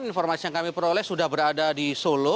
informasi yang kami peroleh sudah berada di solo